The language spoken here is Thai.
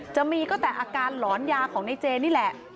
จะมีก็แต่อาการหลอนยาของในเจนี่แหละ